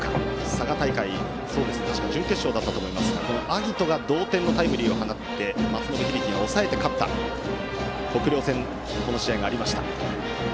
佐賀大会では、確か準決勝だったと思いますが晶音が同点タイムリーを放って松延響が抑えて勝った北稜戦がありました。